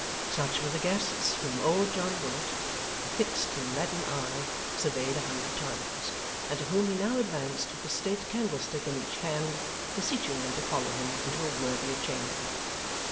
Such were the guests whom old John Willet, with a fixed and leaden eye, surveyed a hundred times, and to whom he now advanced with a state candlestick in each hand, beseeching them to follow him into a worthier chamber.